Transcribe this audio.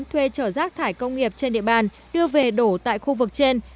thuê trở rác thải công nghiệp trên địa bàn đưa về đổ tại khu vực trên